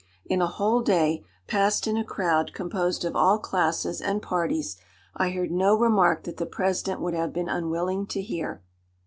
In a whole day, passed in a crowd composed of all classes and parties, I heard no remark that the president would have been unwilling to hear.